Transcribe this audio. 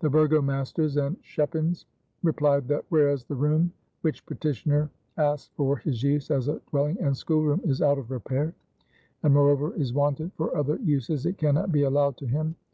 The burgomasters and schepens replied that "whereas the room which petitioner asks for his use as a dwelling and schoolroom is out of repair and moreover is wanted for other uses it cannot be allowed to him.